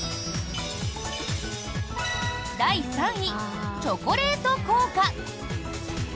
第３位、チョコレート効果。